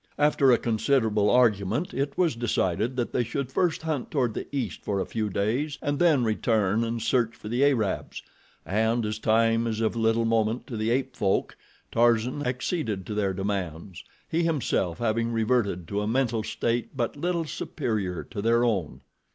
After a considerable argument it was decided that they should first hunt toward the east for a few days and then return and search for the Arabs, and as time is of little moment to the ape folk, Tarzan acceded to their demands, he, himself, having reverted to a mental state but little superior to their own.